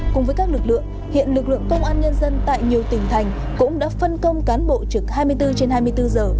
cùng với các lực lượng hiện lực lượng công an nhân dân tại nhiều tỉnh thành cũng đã phân công cán bộ trực hai mươi bốn trên hai mươi bốn giờ